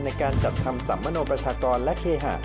ในการจัดทำสัมมโนประชากรและเคหะ